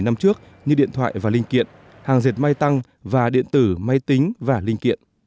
năm trước như điện thoại và linh kiện hàng dệt may tăng và điện tử máy tính và linh kiện